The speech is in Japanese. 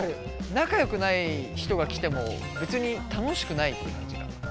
仲良くない人が来ても別に楽しくないって感じかな？